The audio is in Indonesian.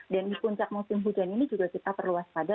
dan di puncak musim hujan ini juga kita perlu waspada